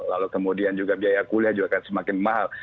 lalu kemudian juga biaya kuliah juga akan semakin mahal